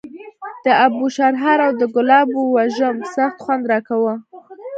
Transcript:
د اوبو شرهار او د ګلابو وږم سخت خوند راکاوه.